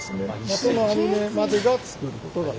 この編み目までが作ることができます。